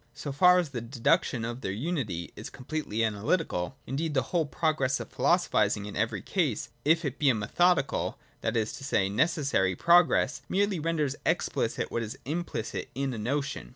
So far the deduction of their unity is completely analy tical : indeed the whole progress of philosophising in every case, if it be a methodical, that is to say a neces sary, progress, merely renders explicit what is implicit in a notion.